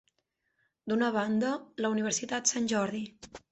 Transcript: D'una banda, la Universitat Sant Jordi.